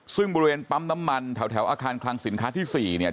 ซึ่งบริเวณปั๊มน้ำมันแถวอาคารคลังสินค้าที่๔เนี่ย